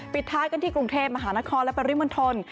ปิดท้ายกันที่กรุงเทพมหานครและปริมณฑล